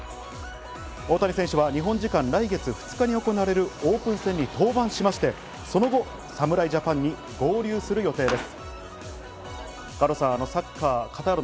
大谷選手は日本時間、来月２日に行われるオープン戦に登板しまして、その後、侍ジャパンに合流する予定です。